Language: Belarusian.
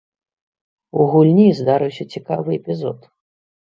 У гульні здарыўся цікавы эпізод.